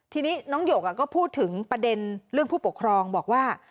ทีนี้น้องหยกก็พูดถึงประเด็นเรื่องผู้ปกครองบอกว่า